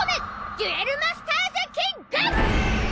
『デュエル・マスターズキング！』。